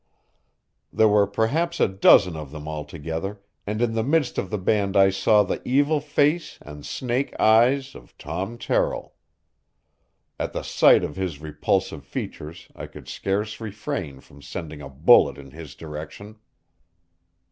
There were perhaps a dozen of them altogether, and in the midst of the band I saw the evil face and snake eyes of Tom Terrill. At the sight of his repulsive features I could scarce refrain from sending a bullet in his direction.